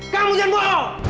kamu jangan bohong